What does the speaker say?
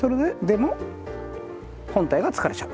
でも本体が疲れちゃう。